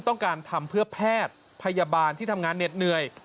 ต้องการทำเพื่อแพทย์พยาบาลที่ทำงานเหน็ดเหนื่อย